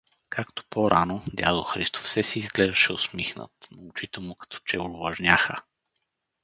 Както по-рано, дядо Христо все си изглеждаше усмихнат, но очите му като че овлажняха.